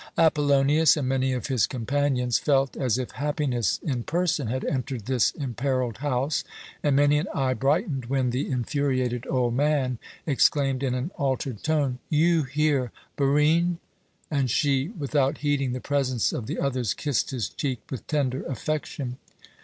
Apollonius and many of his companions felt as if happiness in person had entered this imperilled house, and many an eye brightened when the infuriated old man exclaimed in an altered tone, "You here, Barine?" and she, without heeding the presence of the others, kissed his cheek with tender affection.